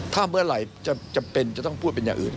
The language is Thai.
ถ้าเมื่อไหร่จำเป็นจะต้องพูดเป็นอย่างอื่น